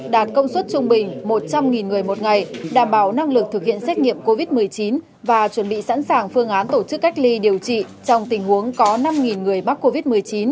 đạt công suất trung bình một trăm linh người một ngày đảm bảo năng lực thực hiện xét nghiệm covid một mươi chín và chuẩn bị sẵn sàng phương án tổ chức cách ly điều trị trong tình huống có năm người mắc covid một mươi chín